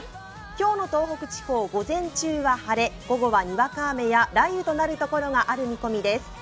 今日の東北地方、午前中は晴れ、午後はにわか雨や雷雨となるところがある見込みです。